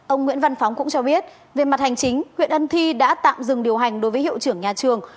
ông nguyễn văn phóng cũng cho biết về mặt hành chính huyện ân thi đã tạm dừng điều hành đối với hiệu trưởng nhà trường